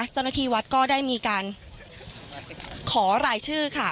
เจ้าหน้าที่วัดก็ได้มีการขอรายชื่อค่ะ